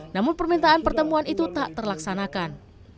namun permintaan pertemuan itu tak terlaksanakan